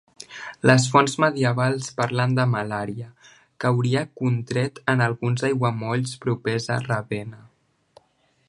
Les fonts medievals parlen de malària, que hauria contret en alguns aiguamolls propers a Ravenna.